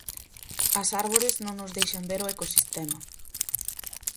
As árbores non nos deixan ver o ecosistema.